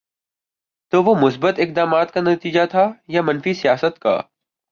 تو وہ مثبت اقدامات کا نتیجہ تھا یا منفی سیاست کا؟